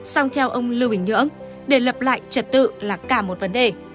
song theo ông lưu bình nhưỡng để lập lại trật tự là cả một vấn đề